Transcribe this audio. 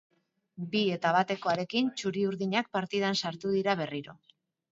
Bi eta batekoarekin, txuri-urdinak partidan sartu dira berriro.